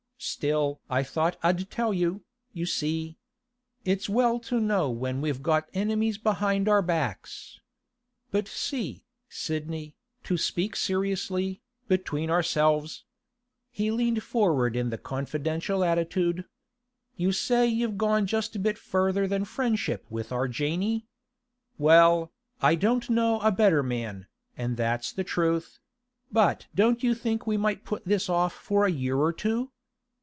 Still I thought I'd tell you, you see. It's well to know when we've got enemies behind our backs. But see, Sidney; to speak seriously, between ourselves.' He leaned forward in the confidential attitude. 'You say you've gone just a bit further than friendship with our Janey. Well, I don't know a better man, and that's the truth—but don't you think we might put this off for a year or two?